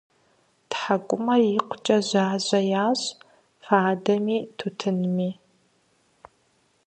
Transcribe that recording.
ТхьэкӀумэр икъукӀэ жьажьэ ящӀ фадэми тутынми.